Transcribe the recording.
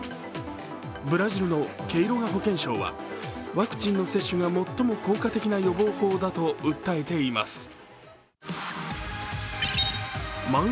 ブラジルのケイロガ保健相はワクチンの接種が最も効果的な予防法だと訴えています。